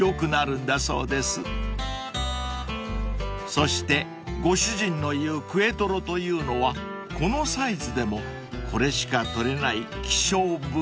［そしてご主人の言うくえトロというのはこのサイズでもこれしか取れない希少部位］